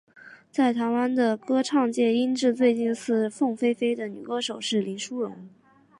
在台湾的歌唱界音质最近似凤飞飞的女歌手是林淑容。